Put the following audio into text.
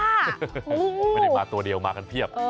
ไม่ได้มาตัวเดียวมากันเพียบ